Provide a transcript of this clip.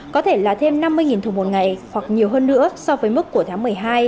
có thể là thêm năm mươi thùng một ngày hoặc nhiều hơn nữa so với mức của tháng một mươi hai